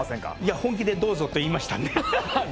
本気でどうぞと言いましたので。